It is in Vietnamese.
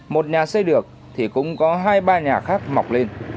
một nhà xây được thì cũng có hai ba nhà khác mọc lên